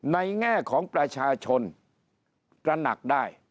แง่ของประชาชนตระหนักได้